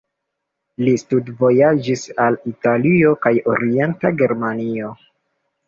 Li studvojaĝis al Italio kaj Orienta Germanio.